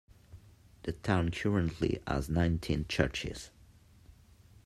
The town currently has nineteen churches.